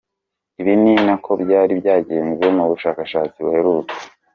Ibi ni nako byari byagenze mu bushakashatsi buheruka.